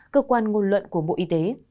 cơ quan ngôn luận của bộ y tế